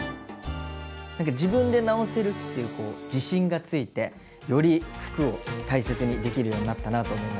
何か自分で直せるっていうこう自信がついてより服を大切にできるようになったなと思いました。